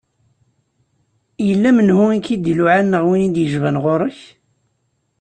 Yella menhu i k-id-iluɛan neɣ win i d-yejban ɣur-k?